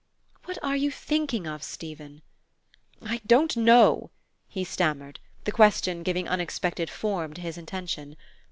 "What are you thinking of, Stephen?" "I don't know," he stammered, the question giving unexpected form to his intention.